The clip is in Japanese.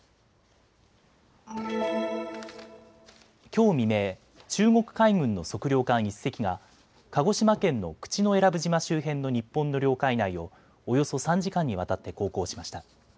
きょう未明、中国海軍の測量艦１隻が鹿児島県の口永良部島周辺の日本の領海内をおよそ３時間にわたって航行しました。